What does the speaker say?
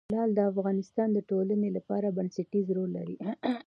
لعل د افغانستان د ټولنې لپاره بنسټيز رول لري.